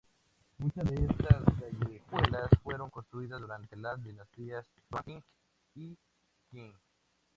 Muchas de estas callejuelas fueron construidas durante las dinastías Yuan, Ming y Qing.